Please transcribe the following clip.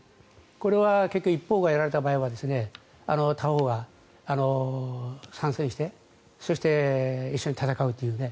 これは結局一方がやられた場合は他方が参戦してそして、一緒に戦うという。